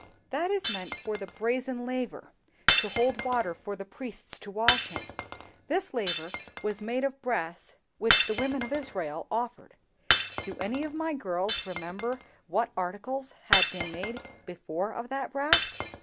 "That is meant for the Brazen Laver, to hold water for the priests to wash in. This laver was made of brass which the women of Israel offered. Do any of my girls remember what articles had been made before of that brass?"